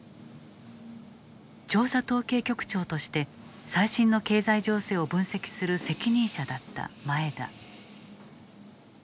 調査統計局長として最新の経済情勢を分析する責任者だった前田。